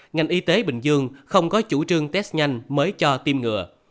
ngành y tế bình dương không có chủ trương test nhanh mới cho tiêm ngừa